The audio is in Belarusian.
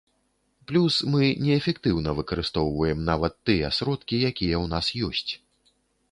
Плюс мы неэфектыўна выкарыстоўваем нават тыя сродкі, якія ў нас ёсць.